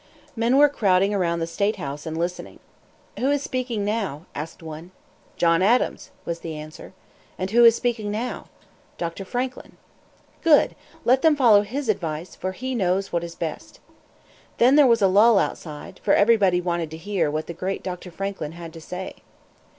Men were crowding around the State House and listening. "Who is speaking now?" asked one. "John Adams," was the answer. "And who is speaking now?" "Doctor Franklin." "Good! Let them follow his advice, for he knows what is best." Then there was a lull outside, for everybody wanted to hear what the great Dr. Franklin had to say.